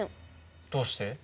どうして？